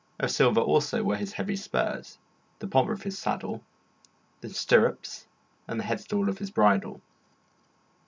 Of silver also were his heavy spurs, the pommel of his saddle, his stirrups, and the headstall of his bridle.